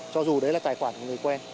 cho dù đấy là tài khoản của người quen